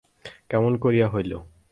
কেমন করিয়া হইল?